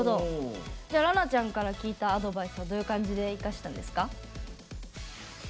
らなちゃんから聞いたアドバイスはどういう感じで生かしたんですか？